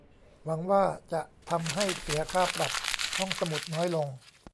หวังว่าจะทำให้เสียค่าปรับห้องสมุดน้อยลง !